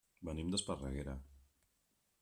Venim d'Esparreguera.